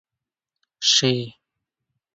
شې.